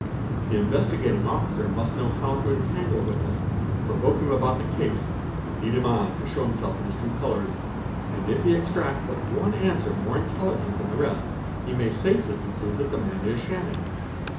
The Investigating Officer must know how to ' entangle a witness, provoke him about the case, lead him on to show himself in his true colours, and if he extracts but one answer more intel _ligent than the rest, he may safely conclude that the man is shamming.